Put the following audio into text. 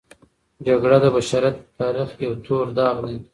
جګړه د بشریت په تاریخ کې یوه توره داغ دی.